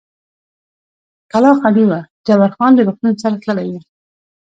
کلا خالي وه، جبار خان د روغتون سره تللی و.